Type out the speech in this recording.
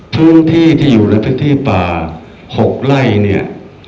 พื้นที่ที่อยู่ในพื้นที่ป่า๖ไร่เนี่ย